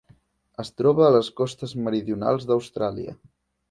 Es troba a les costes meridionals d'Austràlia.